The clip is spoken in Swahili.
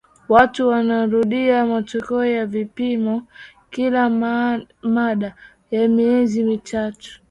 watu wanarudia matokeo ya vipimo kila maada ya miezi mitatu